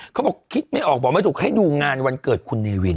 เขาบอกคิดไม่ออกบอกไม่ถูกให้ดูงานวันเกิดคุณเนวิน